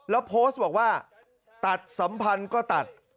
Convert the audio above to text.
แล้วโพสต์บอกว่าตัดสัมพันธ์ก็ตัด